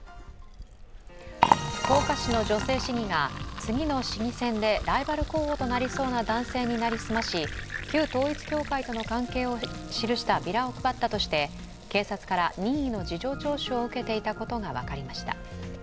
福岡市の女性市議が次の市議選でライバル候補となりそうな男性に成り済まし、旧統一教会との関係を記したビラを配ったとして警察から任意の事情聴取を受けていたことが分かりました。